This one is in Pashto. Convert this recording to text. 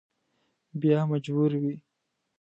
بیا مجبور وي.